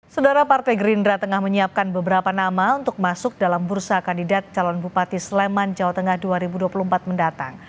saudara partai gerindra tengah menyiapkan beberapa nama untuk masuk dalam bursa kandidat calon bupati sleman jawa tengah dua ribu dua puluh empat mendatang